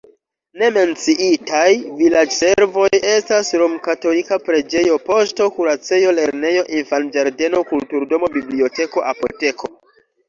Ne menciitaj vilaĝservoj estas romkatolika preĝejo, poŝto, kuracejo, lernejo, infanĝardeno, kulturdomo, biblioteko, apoteko.